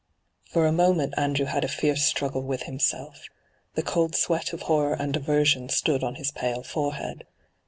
For a moment Andrew had a fierce struggle with himself. The cold sweat of horror and aversion stood on his pale forehead.